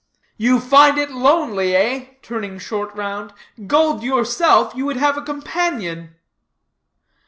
"You find it lonely, eh," turning short round; "gulled yourself, you would have a companion."